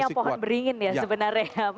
itu hanya pohon beringin ya sebenarnya